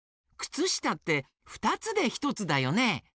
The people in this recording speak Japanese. くつしたってふたつでひとつだよね。